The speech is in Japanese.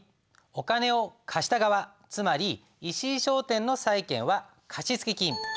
お金を貸した側つまり石井商店の債権は貸付金。